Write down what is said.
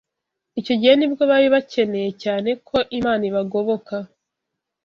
Icyo gihe ni bwo bari bakeneye cyane ko Imana ibagoboka